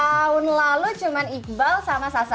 tahun lalu cuma iqbal sama sasa